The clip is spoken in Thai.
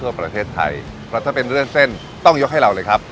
ประเทศไทยเพราะถ้าเป็นเรื่องเส้นต้องยกให้เราเลยครับ